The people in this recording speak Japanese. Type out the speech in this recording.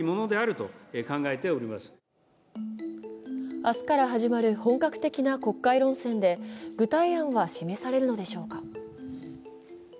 明日から始まる本格的な国会論戦で具体案は示されるのでしょうか。